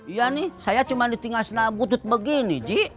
iya nih saya cuma ditinggal sendal butut begini ji